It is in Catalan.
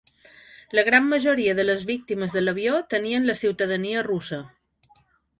La gran majoria de les víctimes de l’avió tenien la ciutadania russa.